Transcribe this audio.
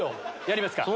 やりますか？